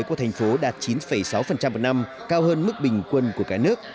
của thành phố đạt chín sáu một năm cao hơn mức bình quân của cả nước